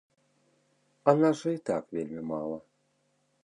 А нас жа і так вельмі мала!